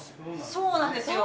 そうなんですよ。